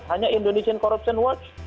hanya indonesian corruption watch